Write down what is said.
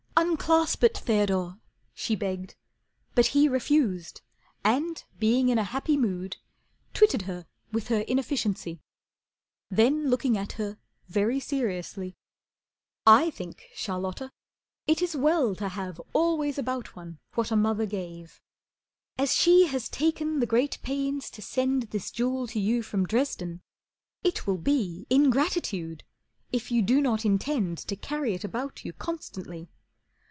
"Unclasp it, Theodore," she begged. But he Refused, and being in a happy mood, Twitted her with her inefficiency, Then looking at her very seriously: "I think, Charlotta, it is well to have Always about one what a mother gave. As she has taken the great pains to send This jewel to you from Dresden, it will be Ingratitude if you do not intend To carry it about you constantly.